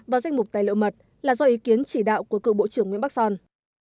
vào danh mục tài liệu mật là do ý kiến chỉ đạo của cựu bộ trưởng nguyễn bắc son